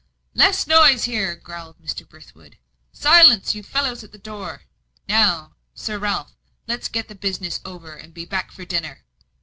"Less noise there!" growled Mr. Brithwood. "Silence, you fellows at the door! Now, Sir Ralph, let's get the business over, and be back for dinner."